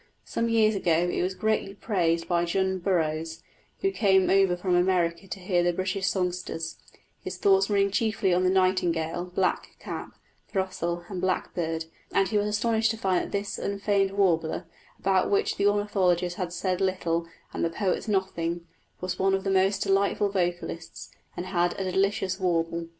Some years ago it was greatly praised by John Burroughs, who came over from America to hear the British songsters, his thoughts running chiefly on the nightingale, blackcap, throstle, and blackbird; and he was astonished to find that this unfamed warbler, about which the ornithologists had said little and the poets nothing, was one of the most delightful vocalists, and had a "delicious warble."